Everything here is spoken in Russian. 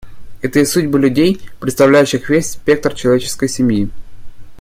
Это и судьбы людей, представляющих весь спектр человеческой семьи.